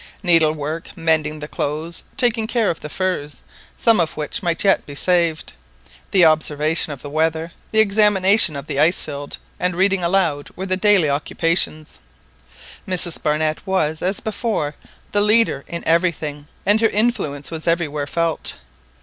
Needlework, mending the clothes, taking care of the furs, some of which might yet be saved, the observation of the weather, the examination of the ice field, and reading aloud, were the daily occupations. Mrs Barnett was, as before, the leader in everything, and her influence was everywhere felt.